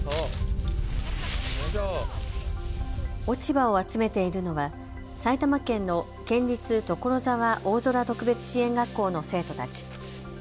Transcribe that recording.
落ち葉を集めているのは埼玉県の県立所沢おおぞら特別支援学校の生徒たち。